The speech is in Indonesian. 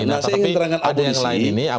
nah saya ingin terangkan abulisi